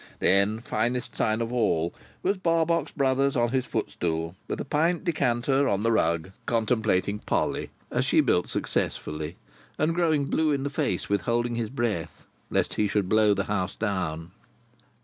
Then, finest sight of all, was Barbox Brothers on his footstool, with a pint decanter on the rug, contemplating Polly as she built successfully, and growing blue in the face with holding his breath, lest he should blow the house down.